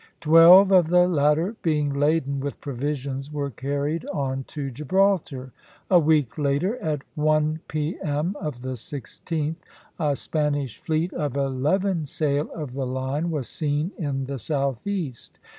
Twelve of the latter being laden with provisions were carried on to Gibraltar. A week later, at one P.M. of the 16th, a Spanish fleet of eleven sail of the line was seen in the southeast.